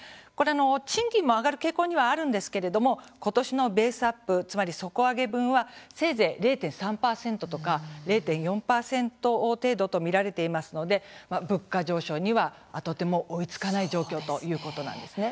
賃金も上がる傾向にはあるんですけれどもことしのベースアップつまり底上げ分は、せいぜい０．３％とか０．４％程度と見られていますので物価上昇にはとても追いつかない状況ということなんです。